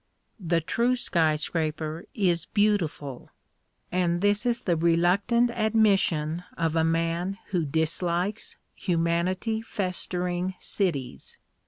The true sky scraper is beautiful and this is the reluctant admission of a man who dislikes humanity festering cities.